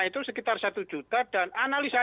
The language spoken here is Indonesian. itu sekitar satu juta dan analisa